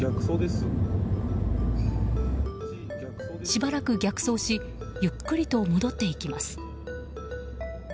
しばらく逆走しゆっくりと戻っていきます。